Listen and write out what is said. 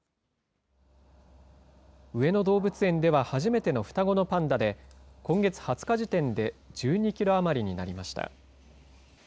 上野動物園では初めての双子のパンダで、今月２０日時点で、１２キロ余りになりました。